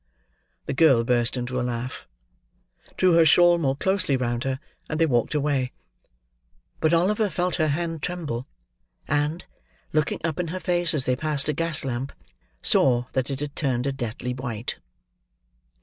The girl burst into a laugh; drew her shawl more closely round her; and they walked away. But Oliver felt her hand tremble, and, looking up in her face as they passed a gas lamp, saw that it had turned a deadly white.